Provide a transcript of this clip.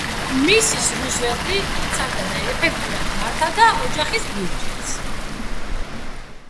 მისის რუზველტი იცავდა და ეფექტურად მართვდა ოჯახის ბიუჯეტს.